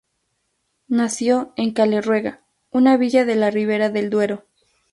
Nació en Caleruega, una villa de la Ribera del Duero.